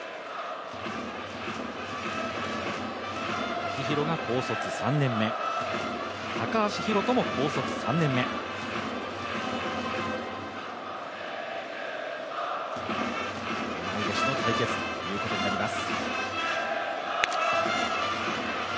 秋広が高卒３年目、高橋宏斗も高卒３年目同い年の対決ということになります。